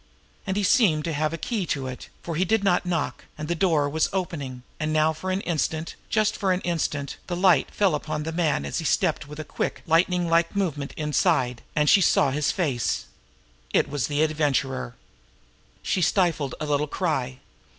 And he seemed to have a key to it, for he did not knock, and the door was opening, and now for an instant, just an instant, the light fell upon the man as he stepped with a quick, lightning like movement inside, and she saw his face. It was the Adventurer. She stifled a little cry.